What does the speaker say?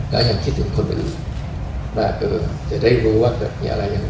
แล้วยังคิดถึงคนอื่นแล้วคือจะได้รู้ว่าเกิดมีอะไรอยู่